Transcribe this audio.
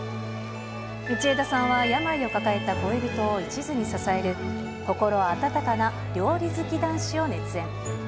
道枝さんは病を抱えた恋人を一途に支える心温かな料理好き男子を熱演。